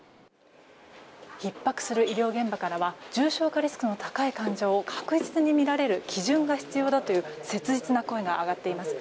ひっ迫する医療現場からは重症化リスクの高い患者を確実に診られる基準が必要だという切実な声が上がっています。